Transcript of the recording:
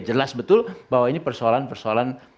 jelas betul bahwa ini persoalan persoalan